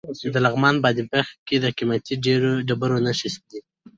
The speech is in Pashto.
د لغمان په بادپخ کې د قیمتي ډبرو نښې دي.